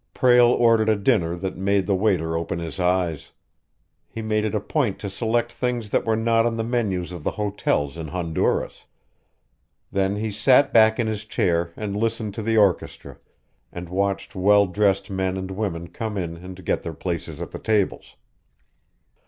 Prale ordered a dinner that made the waiter open his eyes. He made it a point to select things that were not on the menus of the hotels in Honduras. Then he sat back in his chair and listened to the orchestra, and watched well dressed men and women come in and get their places at the tables.